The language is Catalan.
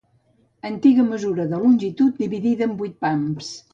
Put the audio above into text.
Antiga mesura de longitud dividida en vuit pams.